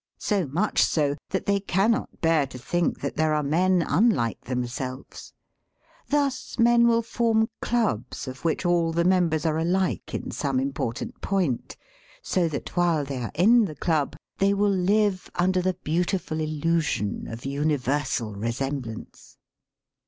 So much so that they cannot bear to think that there are men unlike themselves. Thus men will form clubs of which all the mem bers are alike in some important point, so that while they are in the club they will live under the beautiful illusion of universal resemblance.